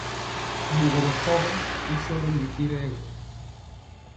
Ɓogɔ ɓɛpɔgɔ i sɔndɔ mi nkye rɔ.